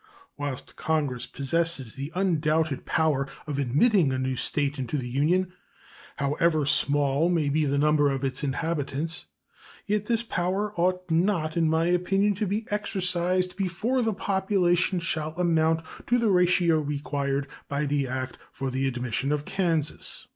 Whilst Congress possess the undoubted power of admitting a new State into the Union, however small may be the number of its inhabitants, yet this power ought not, in my opinion, to be exercised before the population shall amount to the ratio required by the act for the admission of Kansas.